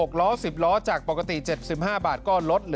โทษภาพชาวนี้ก็จะได้ราคาใหม่